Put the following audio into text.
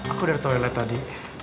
aku dari toilet tadi